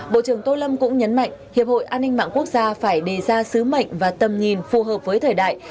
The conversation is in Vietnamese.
bộ trưởng tô lâm cũng nhấn mạnh hiệp hội an ninh mạng quốc gia phải đề ra sứ mệnh và tầm nhìn phù hợp với thời đại